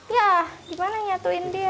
ya gimana nyatuin dia